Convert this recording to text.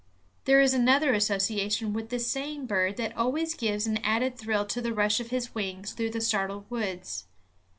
There is another association with this same bird that always gives an added thrill to the rush of his wings through the startled woods.